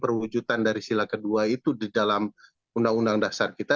perwujudan dari sila kedua itu di dalam undang undang dasar kita